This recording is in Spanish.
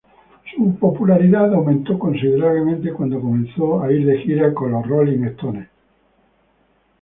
Su popularidad aumentó considerablemente cuando comenzó a ir de gira con The Rolling Stones.